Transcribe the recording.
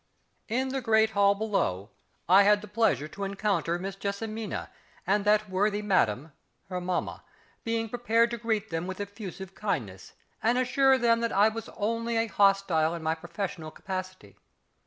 "] In the Great Hall below I had the pleasure to encounter Miss JESSIMINA and that worthy Madam her Mamma, being prepared to greet them with effusive kindness, and assure them I was only a hostile in my professional capacity.